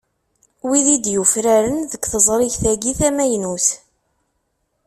Wid i d-yufraren deg teẓrigt-agi tamaynut.